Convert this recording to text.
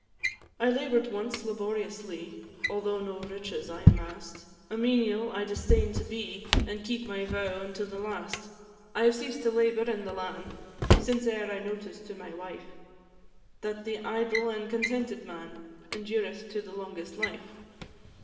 I labour'd once laboriously, Although no riches I amass'd; A menial I disdain'd to be, An' keep my vow unto the last. I have ceased to labour in the lan', Since e'er I noticed to my wife, That the idle and contented man Endureth to the longest life.